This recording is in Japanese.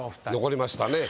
残りましたね。